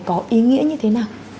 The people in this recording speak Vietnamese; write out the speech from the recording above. có ý nghĩa như thế nào